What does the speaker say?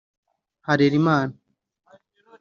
Harerimana